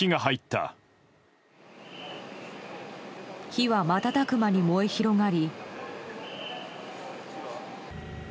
火は瞬く間に燃え広がり。